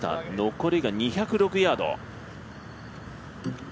残りが２０６ヤード。